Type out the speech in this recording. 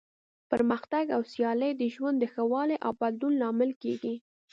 پرمختګ او سیالي د ژوند د ښه والي او بدلون لامل کیږي.